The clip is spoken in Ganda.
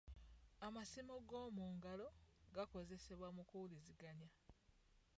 Amasimu g'omu ngalo gakozesebwa mu kuwuliziganya.